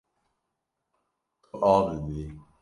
Tu av didî.